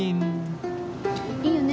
いいよね